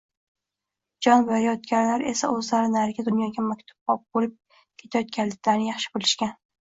Jon berayotganlar esa o’zlari narigi dunyoga maktub bo’lib ketayotganliklarini yaxshi bilishgan…